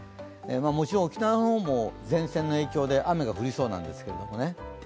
もちろん沖縄の方も前線の影響で雨が降りそうなんですけどね。